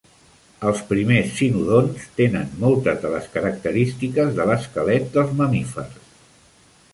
Els primers cinodonts tenen moltes de les característiques de l'esquelet dels mamífers.